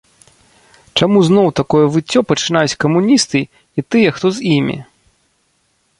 Чаму зноў такое выццё пачынаюць камуністы і тыя, хто з імі?